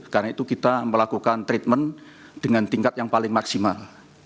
karena itu kita melakukan treatment dengan tingkat yang paling maksimal